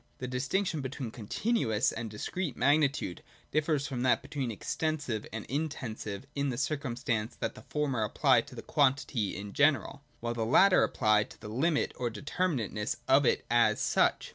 The distinction between Continuous and Discrete magnitude differs from that between Extensive and Intensive in the circumstance that the former apply to quantity in general, while the latter apply to the limit or determinateness of it as such.